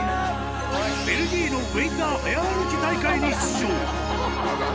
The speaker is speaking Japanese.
ベルギーのウエイター早歩き大会に出場。